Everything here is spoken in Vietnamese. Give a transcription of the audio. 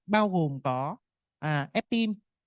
bao gồm có ép tim